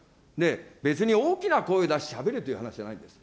別に大きな声出してしゃべれって話じゃないんです。